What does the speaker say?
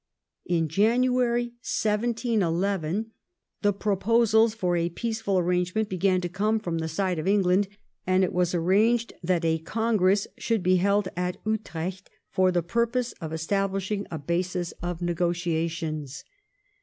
In January 1711, the proposals for a peaceful arrange ment began to come from the side of England, and it was arranged that a congress should be held at Utrecht for the purpose of establishing a basis of ne gotiations.